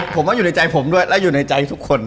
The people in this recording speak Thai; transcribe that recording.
ผมว่าอยู่ในใจผมด้วยและอยู่ในใจทุกคน